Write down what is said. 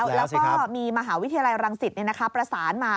แล้วก็มีมหาวิทยาลัยรังสิตเนี่ยนะคะประสานมา